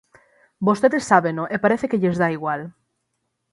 Vostedes sábeno e parece que lles dá igual.